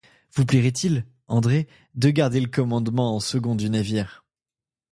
Vous plairait-il, André, de garder le commandement en second du navire?